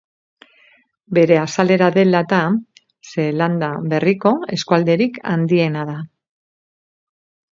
Bere azalera dela eta Zeelanda Berriko eskualderik handiena da.